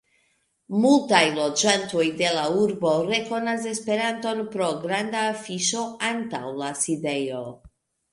Multaj loĝantoj de la urbo rekonas Esperanton pro granda afiŝo antaŭ la sidejo.